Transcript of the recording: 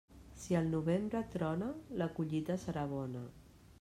Si al novembre trona, la collita serà bona.